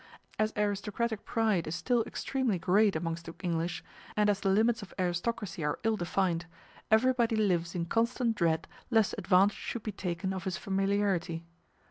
As aristocratic pride is still extremely great amongst the English, and as the limits of aristocracy are ill defined, everybody lives in constant dread lest advantage should be taken of his familiarity.